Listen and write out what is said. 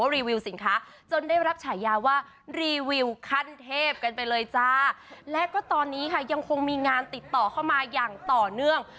จนได้รับฉายาว่ารีวิวขั้นเทพกันไปเลยจ้าและก็ตอนนี้ค่ะยังคงมีงานติดต่อเข้ามาอย่างต่อเนื่อง